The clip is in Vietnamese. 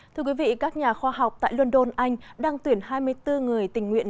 thưa quý vị các nhà khoa học tại london anh đang tuyển hai mươi bốn người tình nguyện